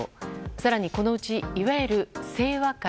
更にこのうち、いわゆる清和会